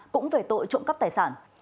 cũng về tội trộm cắp tài sản